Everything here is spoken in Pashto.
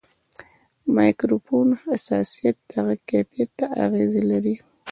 د مایکروفون حساسیت د غږ کیفیت ته اغېز لري.